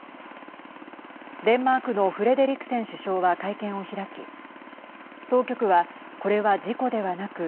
デンマークのフレデリクセン首相は会見を開き当局は、これは事故ではなく